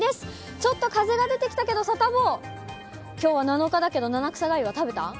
ちょっと風が出てきたけど、サタボー、きょうは７日だけど、七草がゆは食べた？